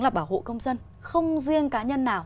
là bảo hộ công dân không riêng cá nhân nào